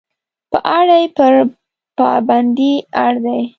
په اړه یې پر پابندۍ اړ دي.